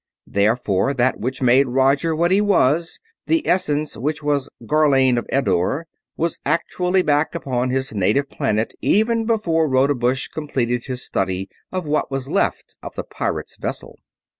Therefore that which made Roger what he was; the essence which was Gharlane of Eddore; was actually back upon his native planet even before Rodebush completed his study of what was left of the pirates' vessel.